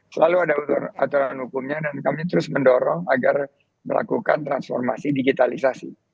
selalu ada aturan hukumnya dan kami terus mendorong agar melakukan transformasi digitalisasi